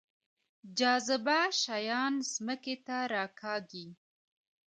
جاذبه شیان ځمکې ته راکاږي